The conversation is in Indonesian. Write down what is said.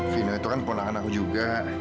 vino itu kan keponakan aku juga